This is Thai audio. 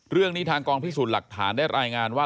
เรื่องนี้ทางกองพิสูจน์หลักฐานได้รายงานว่า